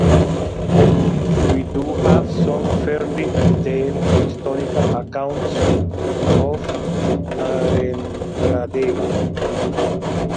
We do have some fairly detailed historical accounts of Narendradeva.